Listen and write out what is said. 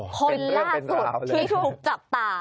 โอ้เป็นเรื่องเป็นการเลยคนล่าสุดที่ถูกจับตา